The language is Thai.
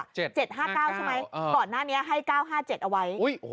ก่อนหน้านี้ให้๙๕๗เอาไว้